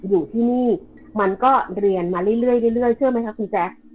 อยู่ที่นี่มันก็เรียนมาเรื่อยเชื่อไหมคะคุณแจ๊ค